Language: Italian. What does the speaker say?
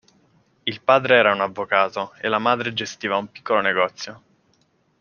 Il padre era un avvocato e la madre gestiva un piccolo negozio.